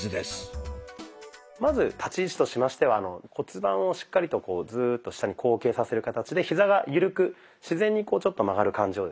まず立ち位置としましては骨盤をしっかりとこうズーッと下に後傾させる形でヒザが緩く自然にこうちょっと曲がる感じをですね。